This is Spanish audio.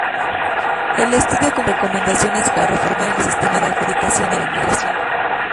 El estudio concluye con recomendaciones para reformar el sistema de adjudicación de la inmigración.